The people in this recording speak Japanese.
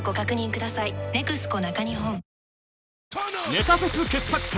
ネタフェス傑作選。